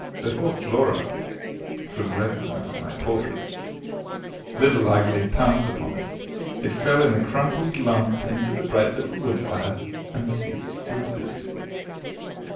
Before Flora could recognize my portrait, Little Ugly pounced upon it; it fell in a crumpled lump into the bright little wood fire, and ceased to exist.